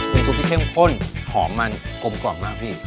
เป็นซุปที่เข้มข้นหอมมันกลมกรอบมากดี